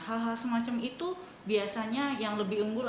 hal hal semacam itu biasanya yang lebih unggul